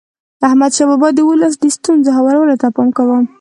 احمدشاه بابا د ولس د ستونزو هوارولو ته پام کاوه.